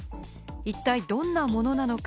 一体どんなものなのか？